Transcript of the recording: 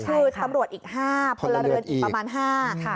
คือตำรวจอีก๕พลเรือนอีกประมาณ๕ค่ะ